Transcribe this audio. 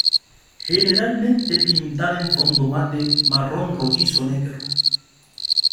Generalmente pintada en fondo mate, marrón rojizo o negro.